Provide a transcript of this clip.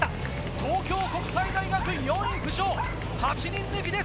東京国際大学４位浮上、８人抜きです。